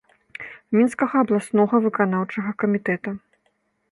Мінскага абласнога выканаўчага камітэта.